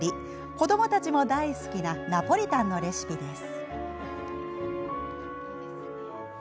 子どもたちも大好きなナポリタンのレシピです。